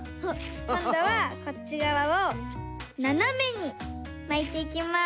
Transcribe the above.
こんどはこっちがわをななめにまいていきます。